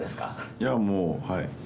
いや、もう、はい。